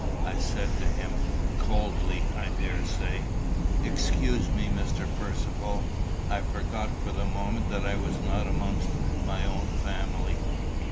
I said to him coldly I daresay: "Excuse me, Mr. Percivale; I forgot for the moment that I was not amongst my own family."